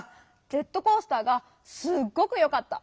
ジェットコースターがすっごくよかった。